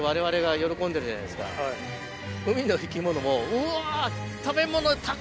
海の生き物も「うわ！」。